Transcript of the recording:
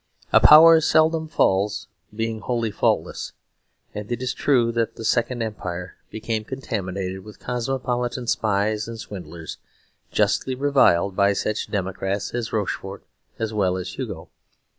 A power seldom falls being wholly faultless; and it is true that the Second Empire became contaminated with cosmopolitan spies and swindlers, justly reviled by such democrats as Rochefort as well as Hugo.